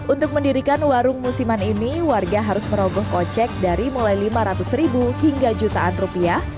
untuk mendirikan warung musiman ini warga harus merogoh kocek dari mulai lima ratus ribu hingga jutaan rupiah